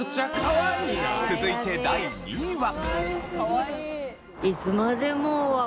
続いて第２位は。